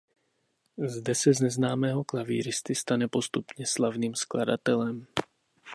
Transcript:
Zde se z neznámého klavíristy stane postupně slavným skladatelem.